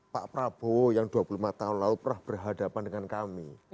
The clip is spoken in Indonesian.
pak prabowo yang dua puluh lima tahun lalu pernah berhadapan dengan kami